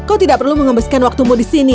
kau tidak perlu mengembaskan waktumu di sini